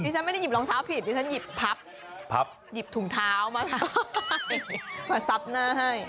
ที่ฉันหยิบพับหยิบถุงเท้ามาซับหน้าให้